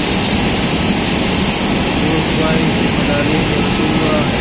څوک وایي چې ملالۍ نورزۍ وه؟